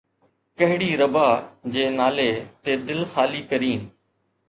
ڪهڙي ربا جي نالي تي دل خالي ڪرين؟